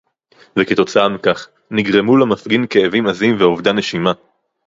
וכתוצאה מכך נגרמו למפגין כאבים עזים ואובדן נשימה